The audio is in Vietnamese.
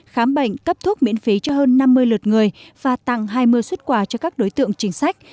khám bệnh cấp thuốc miễn phí cho hơn năm mươi lượt người và tặng hai mươi xuất quà cho các đối tượng chính sách